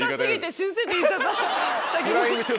先に。